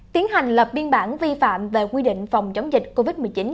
tiến hành lập biên bản vi phạm về quy định phòng chống dịch covid một mươi chín